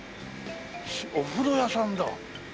お風呂屋さんだ！